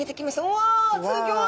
うわすギョい！